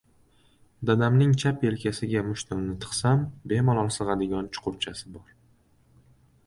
Dadamning chap yelkasida mush- timni tiqsam bemalol sig‘adigan chuqurchasi bor.